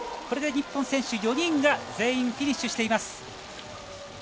これで日本選手４人が全員フィニッシュしています。